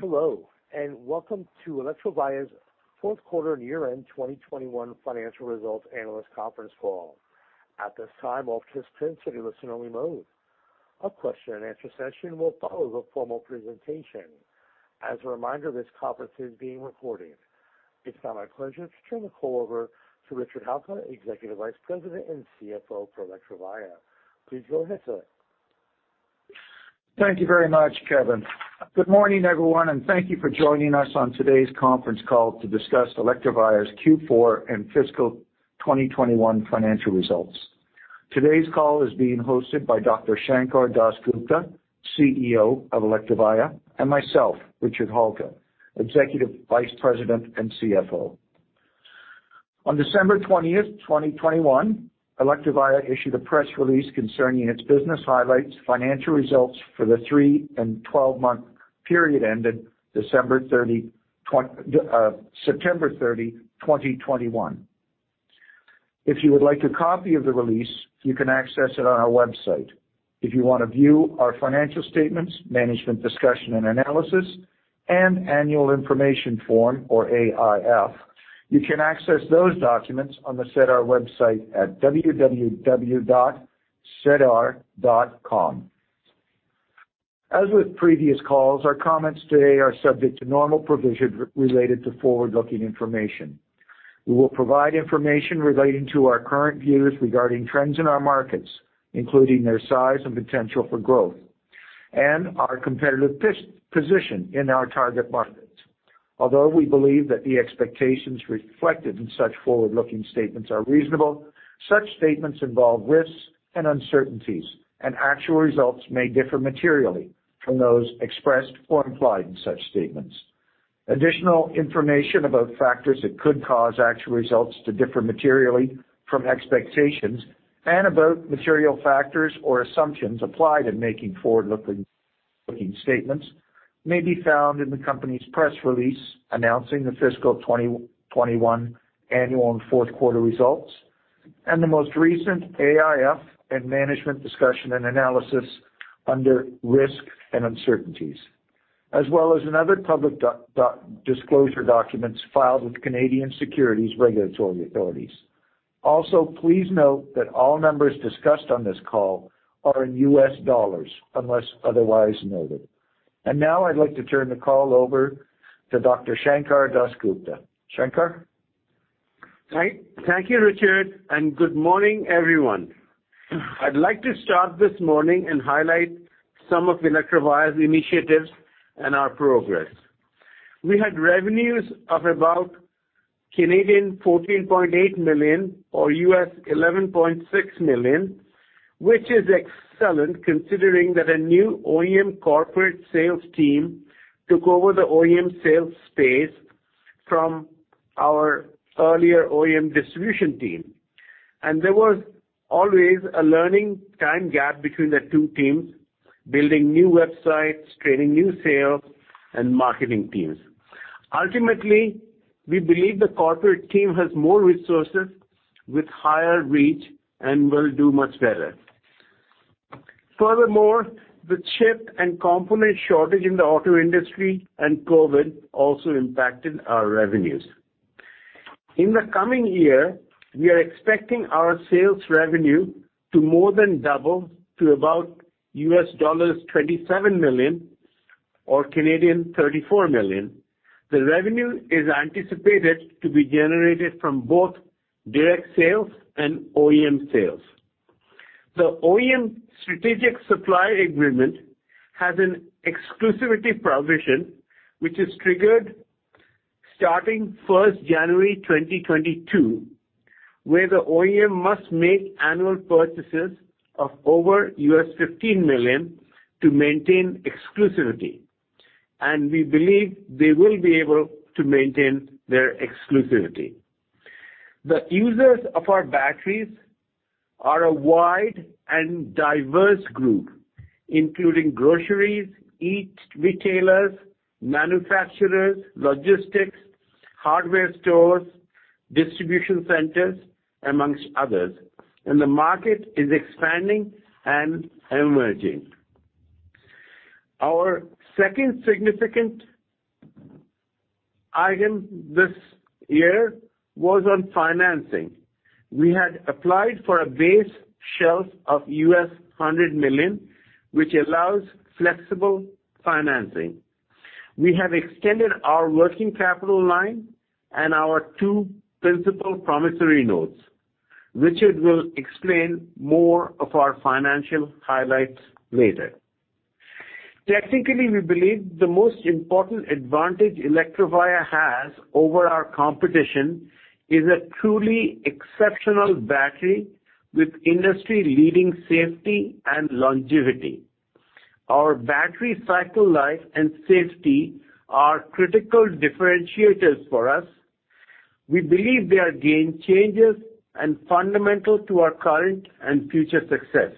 Hello, and welcome to Electrovaya Fourth Quarter and Year-End 2021 Financial Results Analyst Conference Call. At this time, all participants should be in listen-only mode. A question-and-answer session will follow the formal presentation. As a reminder, this conference is being recorded. It's now my pleasure to turn the call over to Richard Halka, Executive Vice President and CFO for Electrovaya. Please go ahead, sir. Thank you very much, Kevin. Good morning, everyone, and thank you for joining us on today's conference call to discuss Electrovaya's Q4 and fiscal 2021 financial results. Today's call is being hosted by Dr. Sankar Das Gupta, CEO of Electrovaya, and myself, Richard Halka, Executive Vice President and CFO. On December 20th, 2021, Electrovaya issued a press release concerning its business highlights financial results for the three and 12-month period ended September 30, 2021. If you would like a copy of the release, you can access it on our website. If you wanna view our financial statements, management discussion and analysis, and annual information form or AIF, you can access those documents on the SEDAR website at www.sedar.com. As with previous calls, our comments today are subject to normal provisions related to forward-looking information. We will provide information relating to our current views regarding trends in our markets, including their size and potential for growth, and our competitive position in our target markets. Although we believe that the expectations reflected in such forward-looking statements are reasonable, such statements involve risks and uncertainties, and actual results may differ materially from those expressed or implied in such statements. Additional information about factors that could cause actual results to differ materially from expectations and about material factors or assumptions applied in making forward-looking statements may be found in the company's press release announcing the fiscal 2021 annual and fourth quarter results, and the most recent AIF and management discussion and analysis under risks and uncertainties, as well as in other public disclosure documents filed with Canadian securities regulatory authorities. Also, please note that all numbers discussed on this call are in U.S. dollars unless otherwise noted. Now I'd like to turn the call over to Dr. Sankar Das Gupta. Sankar? Thank you, Richard, and good morning, everyone. I'd like to start this morning and highlight some of Electrovaya's initiatives and our progress. We had revenues of about 14.8 million or $11.6 million, which is excellent considering that a new OEM corporate sales team took over the OEM sales space from our earlier OEM distribution team. There was always a learning time gap between the two teams, building new websites, training new sales and marketing teams. Ultimately, we believe the corporate team has more resources with higher reach and will do much better. Furthermore, the chip and component shortage in the auto industry and COVID also impacted our revenues. In the coming year, we are expecting our sales revenue to more than double to about $27 million or 34 million. The revenue is anticipated to be generated from both direct sales and OEM sales. The OEM strategic supply agreement has an exclusivity provision which is triggered starting January 1st, 2022, where the OEM must make annual purchases of over $15 million to maintain exclusivity, and we believe they will be able to maintain their exclusivity. The users of our batteries are a wide and diverse group, including groceries, e-retailers, manufacturers, logistics, hardware stores, distribution centers, among others, and the market is expanding and emerging. Our second significant item this year was on financing. We had applied for a base shelf of $100 million, which allows flexible financing. We have extended our working capital line and our two principal promissory notes. Richard will explain more of our financial highlights later. Technically, we believe the most important advantage Electrovaya has over our competition is a truly exceptional battery with industry-leading safety and longevity. Our battery cycle life and safety are critical differentiators for us. We believe they are game-changers and fundamental to our current and future success.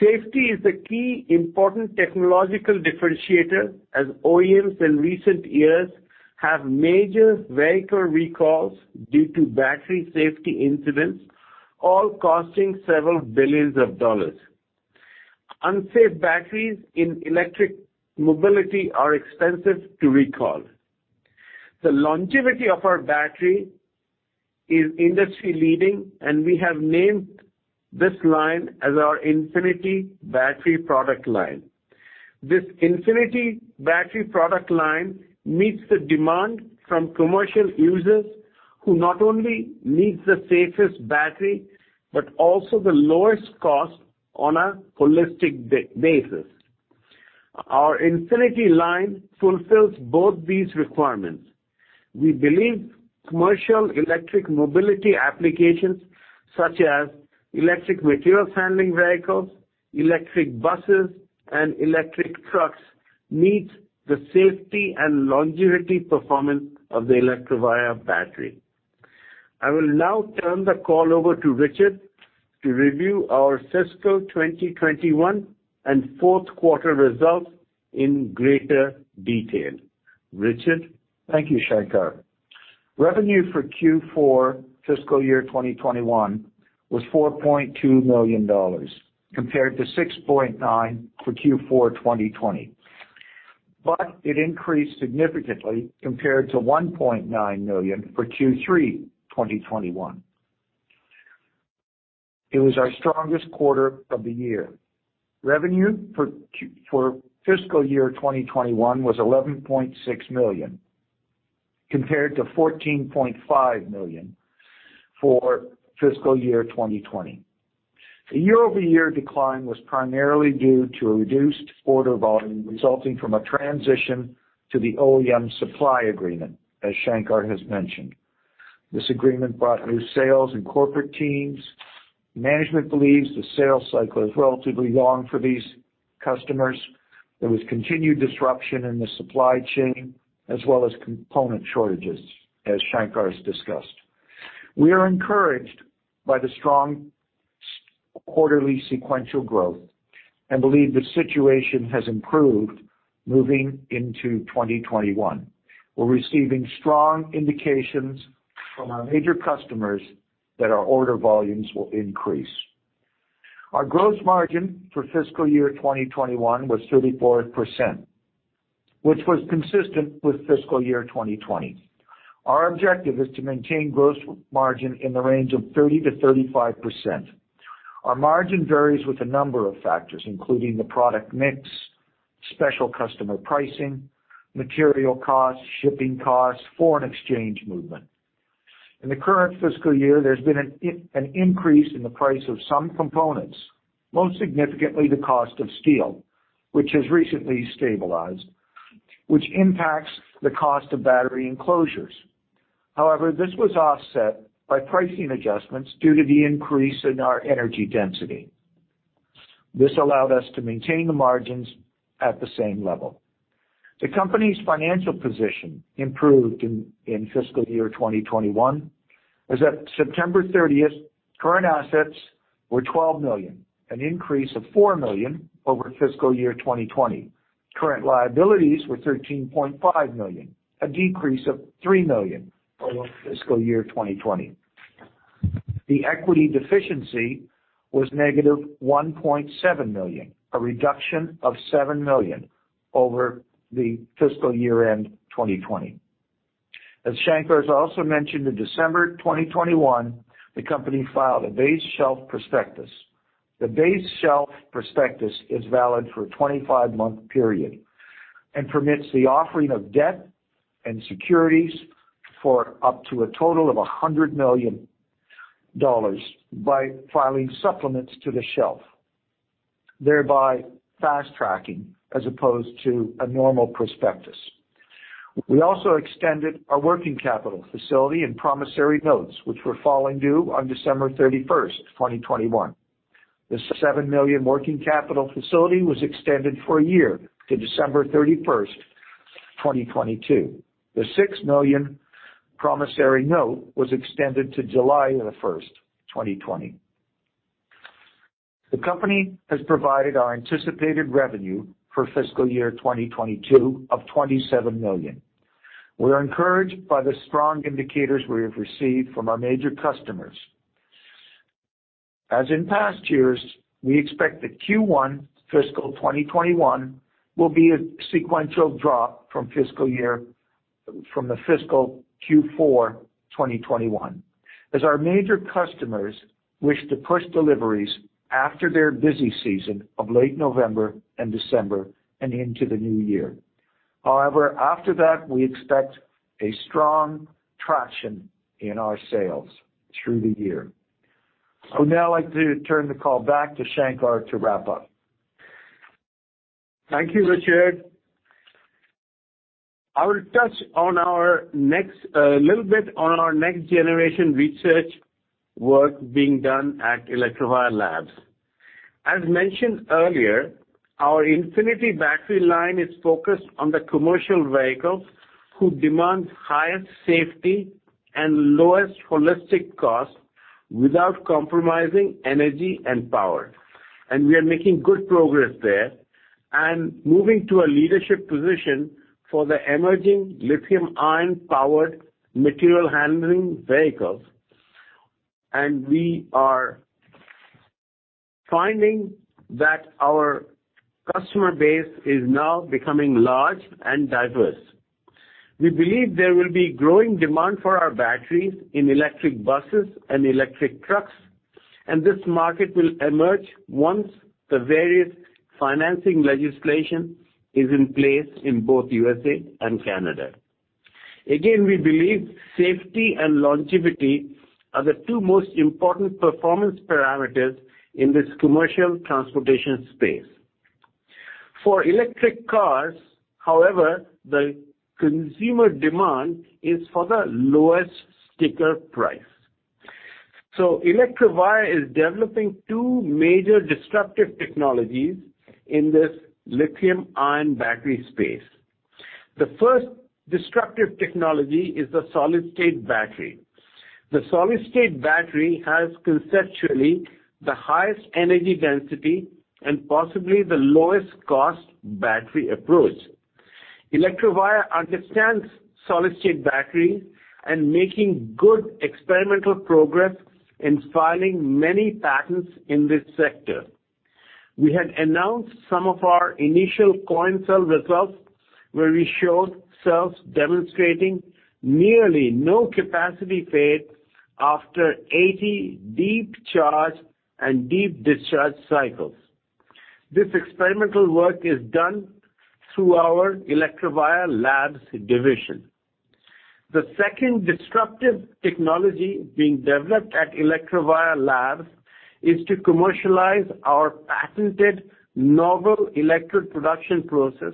Safety is a key important technological differentiator as OEMs in recent years have major vehicle recalls due to battery safety incidents, all costing several billion dollars. Unsafe batteries in electric mobility are expensive to recall. The longevity of our battery is industry-leading, and we have named this line as our Infinity Battery product line. This Infinity Battery product line meets the demand from commercial users who not only need the safest battery, but also the lowest cost on a holistic basis. Our Infinity line fulfills both these requirements. We believe commercial electric mobility applications, such as electric materials handling vehicles, electric buses, and electric trucks, needs the safety and longevity performance of the Electrovaya battery. I will now turn the call over to Richard to review our fiscal 2022 and fourth quarter results in greater detail. Richard? Thank you, Sankar. Revenue for Q4 fiscal year 2021 was $4.2 million compared to $6.9 million for Q4 2020. It increased significantly compared to $1.9 million for Q3 2021. It was our strongest quarter of the year. Revenue for fiscal year 2021 was $11.6 million, compared to $14.5 million for fiscal year 2020. The year-over-year decline was primarily due to a reduced order volume resulting from a transition to the OEM supply agreement, as Sankar has mentioned. This agreement brought new sales and corporate teams. Management believes the sales cycle is relatively long for these customers. There was continued disruption in the supply chain as well as component shortages, as Sankar has discussed. We are encouraged by the strong quarterly sequential growth and believe the situation has improved moving into 2021. We're receiving strong indications from our major customers that our order volumes will increase. Our gross margin for fiscal year 2021 was 34%, which was consistent with fiscal year 2020. Our objective is to maintain gross margin in the range of 30%-35%. Our margin varies with a number of factors, including the product mix, special customer pricing, material costs, shipping costs, foreign exchange movement. In the current fiscal year, there's been an increase in the price of some components, most significantly the cost of steel, which has recently stabilized, which impacts the cost of battery enclosures. However, this was offset by pricing adjustments due to the increase in our energy density. This allowed us to maintain the margins at the same level. The company's financial position improved in fiscal year 2021 as at September 30th, current assets were $12 million, an increase of $4 million over fiscal year 2020. Current liabilities were $13.5 million, a decrease of $3 million over fiscal year 2020. The equity deficiency was -$1.7 million, a reduction of $7 million over the fiscal year-end 2020. As Sankar has also mentioned, in December 2021, the company filed a base shelf prospectus. The base shelf prospectus is valid for a 25-month period and permits the offering of debt and securities for up to a total of $100 million by filing supplements to the shelf, thereby fast-tracking as opposed to a normal prospectus. We also extended our working capital facility and promissory notes, which were falling due on December 31st, 2021. The $7 million working capital facility was extended for a year to December 31st, 2022. The $6 million promissory note was extended to July 1st, 2020. The company has provided our anticipated revenue for fiscal year 2022 of $27 million. We are encouraged by the strong indicators we have received from our major customers. As in past years, we expect that Q1 fiscal 2021 will be a sequential drop from the fiscal Q4 2021 as our major customers wish to push deliveries after their busy season of late November and December and into the new year. However, after that, we expect a strong traction in our sales through the year. I would now like to turn the call back to Sankar to wrap up. Thank you, Richard. I will touch on little bit on our next-generation research work being done at Electrovaya Labs. As mentioned earlier, our Infinity battery line is focused on the commercial vehicles who demand highest safety and lowest holistic cost without compromising energy and power. We are making good progress there and moving to a leadership position for the emerging lithium-ion powered material handling vehicles. We are finding that our customer base is now becoming large and diverse. We believe there will be growing demand for our batteries in electric buses and electric trucks, and this market will emerge once the various financing legislation is in place in both USA and Canada. Again, we believe safety and longevity are the two most important performance parameters in this commercial transportation space. For electric cars, however, the consumer demand is for the lowest sticker price. Electrovaya is developing two major disruptive technologies in this lithium-ion battery space. The first disruptive technology is the solid-state battery. The solid-state battery has conceptually the highest energy density and possibly the lowest cost battery approach. Electrovaya understands solid-state battery and making good experimental progress in filing many patents in this sector. We had announced some of our initial coin cell results, where we showed cells demonstrating nearly no capacity fade after 80 deep charge and deep discharge cycles. This experimental work is done through our Electrovaya Labs division. The second disruptive technology being developed at Electrovaya Labs is to commercialize our patented novel electrode production process,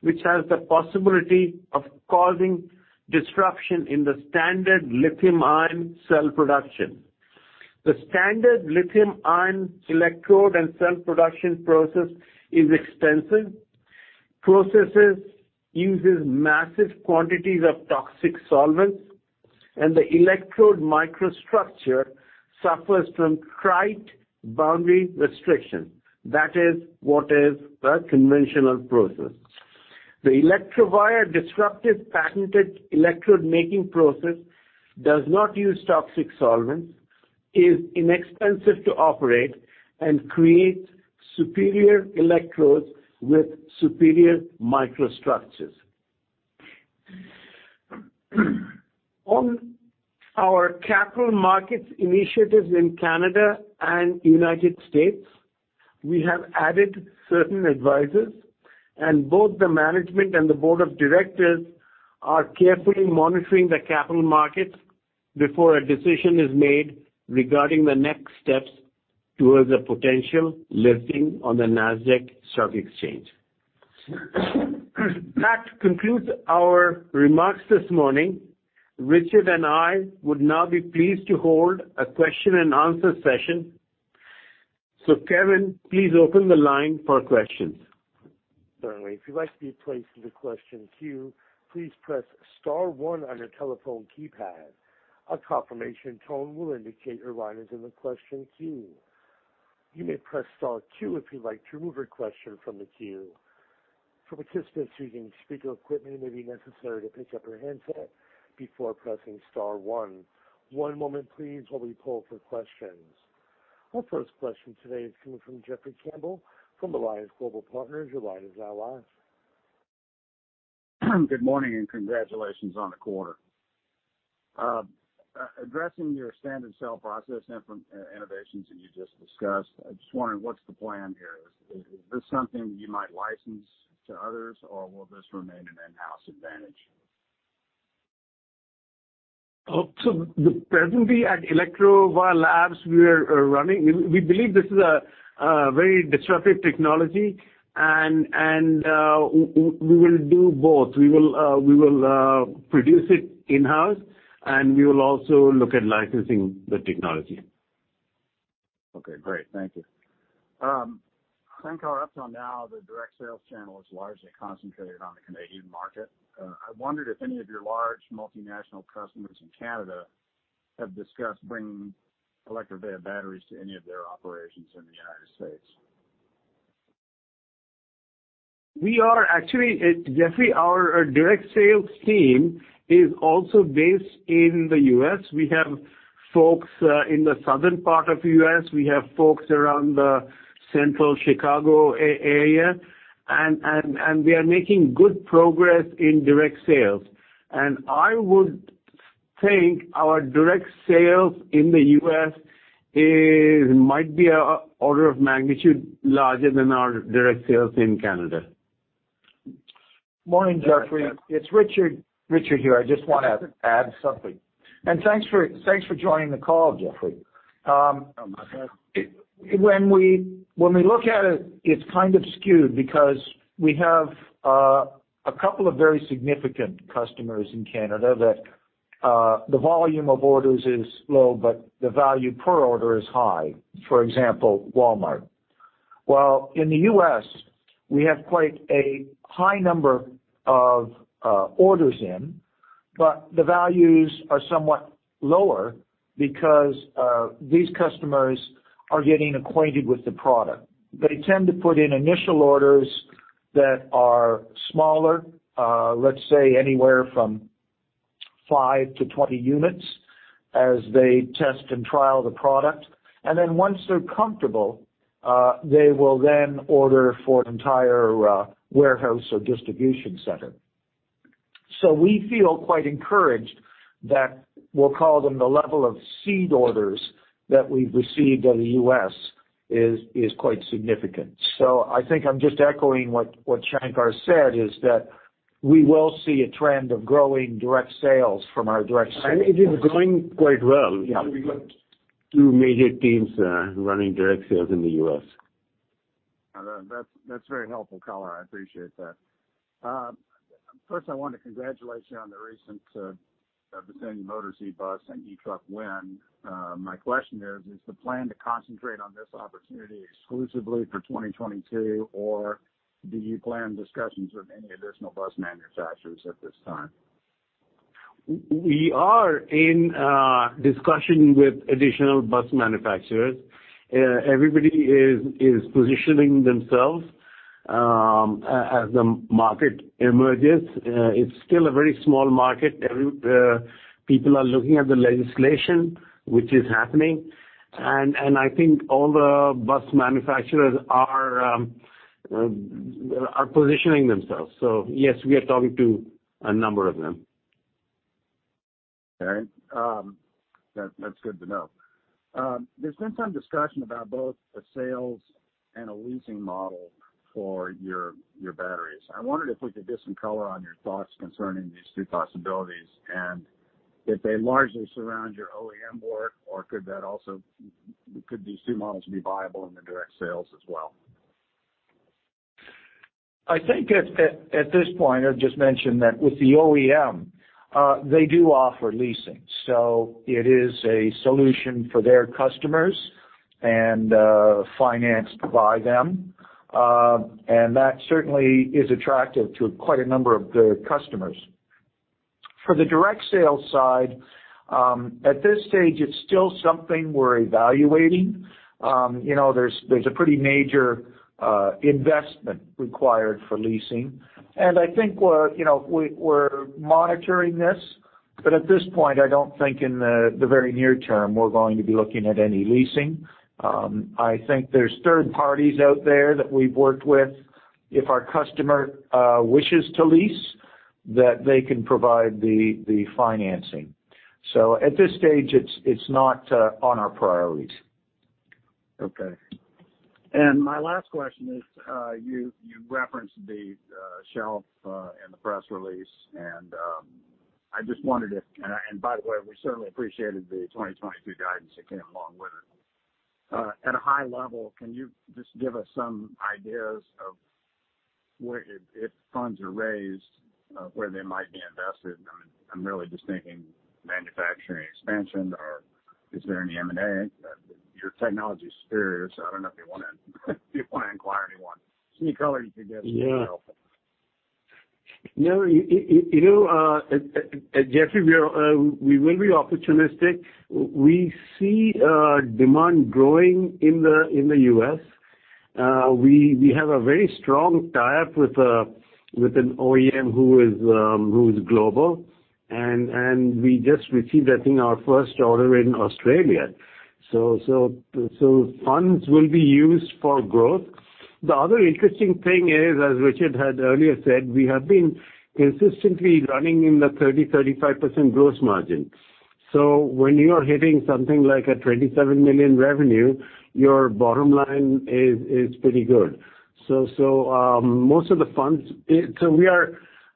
which has the possibility of causing disruption in the standard lithium-ion cell production. The standard lithium-ion electrode and cell production process is expensive. Process uses massive quantities of toxic solvents, and the electrode microstructure suffers from tight boundary restriction. That is what is the conventional process. The Electrovaya disruptive patented electrode making process does not use toxic solvents, is inexpensive to operate, and creates superior electrodes with superior microstructures. On our capital markets initiatives in Canada and United States, we have added certain advisors, and both the management and the board of directors are carefully monitoring the capital markets before a decision is made regarding the next steps towards a potential listing on the Nasdaq Stock Market. That concludes our remarks this morning. Richard and I would now be pleased to hold a question-and-answer session. Kevin, please open the line for questions. Our first question today is coming from Jeffrey Campbell from Alliance Global Partners. Your line is now live. Good morning and congratulations on the quarter. Addressing your standard cell process innovations that you just discussed, I'm just wondering what's the plan here. Is this something you might license to others or will this remain an in-house advantage? Presently at Electrovaya Labs, we believe this is a very disruptive technology and we will do both. We will produce it in-house, and we will also look at licensing the technology. Okay, great. Thank you. Sankar, up till now, the direct sales channel is largely concentrated on the Canadian market. I wondered if any of your large multinational customers in Canada have discussed bringing Electrovaya batteries to any of their operations in the United States. We are actually, Jeffrey, our direct sales team is also based in the U.S. We have folks in the southern part of the U.S. We have folks around the central Chicago area, and we are making good progress in direct sales. I would think our direct sales in the U.S. might be order of magnitude larger than our direct sales in Canada. Morning, Jeffrey. It's Richard. Richard here. I just wanna add something. Thanks for joining the call, Jeffrey. When we look at it's kind of skewed because we have a couple of very significant customers in Canada that the volume of orders is low, but the value per order is high. For example, Walmart. While in the U.S., we have quite a high number of orders in. But the values are somewhat lower because these customers are getting acquainted with the product. They tend to put in initial orders that are smaller, let's say anywhere from five to 20 units as they test and trial the product. Then once they're comfortable, they will then order for an entire warehouse or distribution center. We feel quite encouraged that we'll call them the level of seed orders that we've received in the U.S. is quite significant. I think I'm just echoing what Sankar said, is that we will see a trend of growing direct sales from our direct sales. It is growing quite well. Yeah. We've got two major teams, running direct sales in the U.S. That's very helpful color. I appreciate that. First, I want to congratulate you on the recent Vicinity Motor eBus and eTruck win. My question is the plan to concentrate on this opportunity exclusively for 2022, or do you plan discussions with any additional bus manufacturers at this time? We are in discussion with additional bus manufacturers. Everybody is positioning themselves as the market emerges. It's still a very small market. Everybody is looking at the legislation which is happening. I think all the bus manufacturers are positioning themselves. Yes, we are talking to a number of them. All right. That's good to know. There's been some discussion about both a sales and a leasing model for your batteries. I wondered if we could get some color on your thoughts concerning these two possibilities, and if they largely surround your OEM work, or could these two models be viable in the direct sales as well? I think at this point, I've just mentioned that with the OEM, they do offer leasing, so it is a solution for their customers and financed by them. That certainly is attractive to quite a number of their customers. For the direct sales side, at this stage, it's still something we're evaluating. You know, there's a pretty major investment required for leasing. I think, you know, we're monitoring this, but at this point, I don't think in the very near term we're going to be looking at any leasing. I think there's third parties out there that we've worked with, if our customer wishes to lease, that they can provide the financing. So at this stage, it's not on our priorities. Okay. My last question is, you referenced the shelf in the press release, and by the way, we certainly appreciated the 2022 guidance that came along with it. At a high level, can you just give us some ideas of where, if funds are raised, where they might be invested? I'm really just thinking manufacturing expansion or is there any M&A? Your technology is superior, so I don't know if you wanna acquire anyone. Any color you can give would be helpful. Yeah. You know, Jeffrey, we are, we will be opportunistic. We see demand growing in the U.S. We have a very strong tie-up with an OEM who is global and we just received, I think, our first order in Australia. Funds will be used for growth. The other interesting thing is, as Richard had earlier said, we have been consistently running in the 30%-35% gross margin. When you are hitting something like $27 million revenue, your bottom line is pretty good. We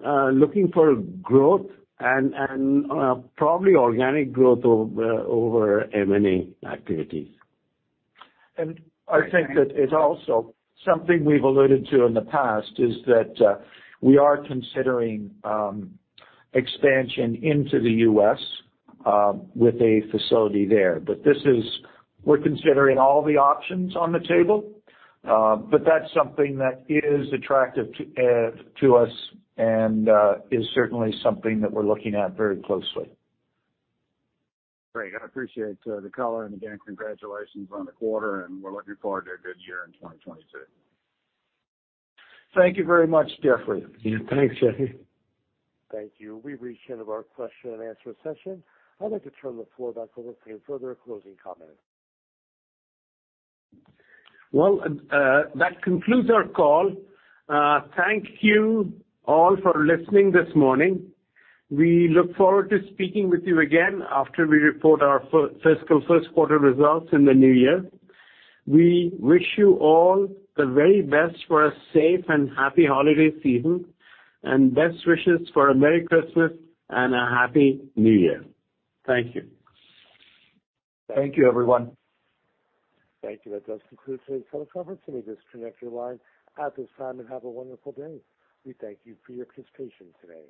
are looking for growth and probably organic growth over M&A activities. I think that it also, something we've alluded to in the past, is that we are considering expansion into the U.S. with a facility there. We're considering all the options on the table, but that's something that is attractive to us and is certainly something that we're looking at very closely. Great. I appreciate the color. Again, congratulations on the quarter, and we're looking forward to a good year in 2022. Thank you very much, Jeffrey. Yeah, thanks, Jeffrey. Thank you. We've reached the end of our question and answer session. I'd like to turn the floor back over to you for further closing comments. Well, that concludes our call. Thank you all for listening this morning. We look forward to speaking with you again after we report our fiscal first quarter results in the new year. We wish you all the very best for a safe and happy holiday season, and best wishes for a Merry Christmas and a Happy New Year. Thank you. Thank you, everyone. Thank you. That does conclude today's teleconference. You may disconnect your line at this time and have a wonderful day. We thank you for your participation today.